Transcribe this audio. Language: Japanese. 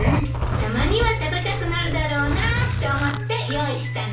たまには食べたくなるだろうなって思って用意したの。